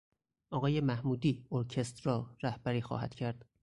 آقای محمودی ارکستر را رهبری خواهد کرد.